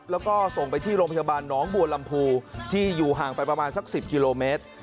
แล้วก็ส่งไปที่โรงพยาบาลน้องบัวลำพูที่อยู่ห่างไปประมาณสัก๑๐กิโลเมตร